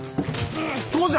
そうじゃ！